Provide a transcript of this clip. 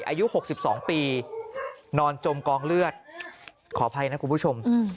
อายุ๖๒ปีนอนจมกองเลือดขออภัยนะคุณผู้ชม